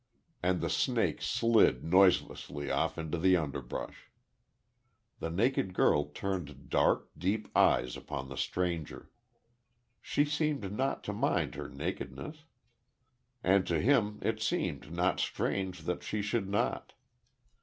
And the snake slid noiselessly off into the underbrush.... The naked girl turned dark, deep eyes upon the stranger. She seemed not to mind her nakedness. And to him it seemed not strange that she should not.